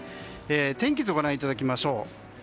天気図をご覧いただきましょう。